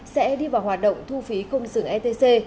sẽ đi vào hoạt động thu phí không dừng etc